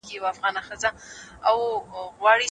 آیا شهرت تر شتمنۍ خطرناک دی؟